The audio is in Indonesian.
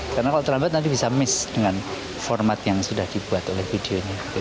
karena kalau terlambat nanti bisa miss dengan format yang sudah dibuat oleh videonya